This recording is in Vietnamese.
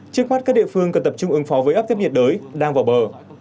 trước mắt các địa phương cần tập trung ứng phó với áp thấp nhiệt đới đang vào bờ